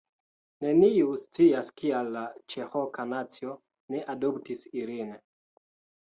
Neniu scias kial la Ĉeroka nacio ne adoptis ilin